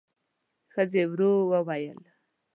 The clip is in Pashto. ښځې ورو وویل: